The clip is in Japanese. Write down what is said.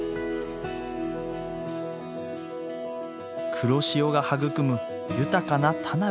黒潮が育む豊かな田辺の海。